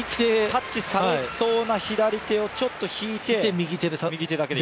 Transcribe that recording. タッチされそうな左手をちょっと引いて、右手だけで。